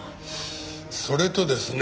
それとですね